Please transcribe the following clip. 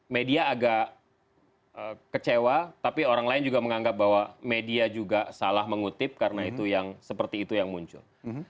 media agak kecewa tapi orang lain juga menganggap bahwa media juga salah mengutip karena itu yang seperti itu yang muncul